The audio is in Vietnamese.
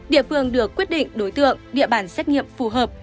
địa phương được quyết định đối tượng địa bàn xét nghiệm phù hợp